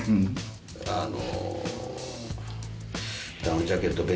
あの。